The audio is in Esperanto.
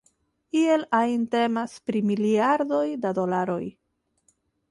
Iel ajn temas pri miliardoj da dolaroj.